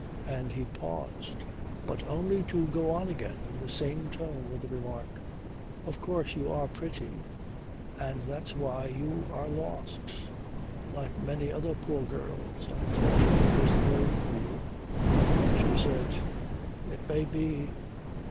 And he paused, but only to go on again in the same tone with the remark: "Of course you are pretty. And that's why you are lost like many other poor girls. Unfortunate is the word for you." She said: "It may be.